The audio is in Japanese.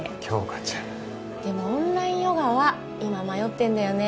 杏花ちゃんでもオンラインヨガは今迷ってんだよね